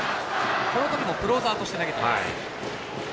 この時もクローザーとして投げています。